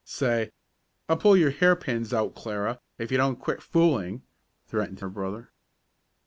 "Say I'll pull your hairpins out, Clara, if you don't quit fooling!" threatened her brother.